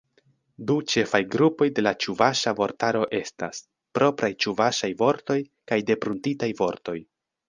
Du ĉefaj grupoj de la ĉuvaŝa vortaro estas: propraj ĉuvaŝaj vortoj kaj depruntitaj vortoj.